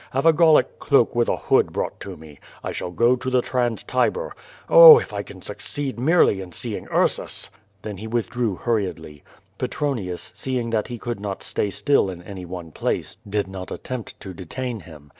Have a Gallic cloak with a hood brought to me. I shall go to the trans Tiber. Oh, if I can succeed merely in seeing Ursus!" Then he withdrew hurriedly. Petronius, seeing that he could not stay still in any one place, did not attempt to detain him.